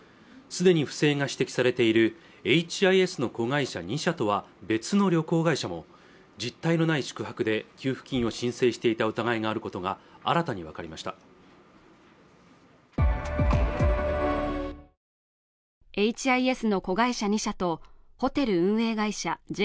すでに不正が指摘されているＨＩＳの子会社２社とは別の旅行会社も実態のない宿泊で給付金を申請していた疑いがあることが新たに分かりましたＨＩＳの子会社２社とホテル運営会社